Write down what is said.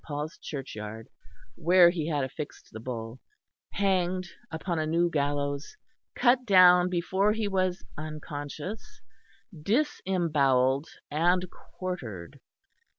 Paul's Churchyard, where he had affixed the Bull, hanged upon a new gallows, cut down before he was unconscious, disembowelled and quartered.